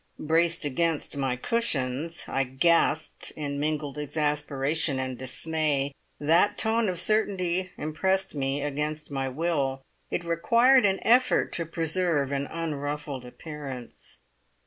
Braced against my cushions, I gasped in mingled exasperation and dismay. That tone of certainty impressed me against my will. It required an effort to preserve an unruffled appearance.